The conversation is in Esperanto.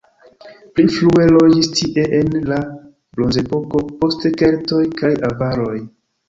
Pli frue loĝis tie en la bronzepoko, poste keltoj kaj avaroj.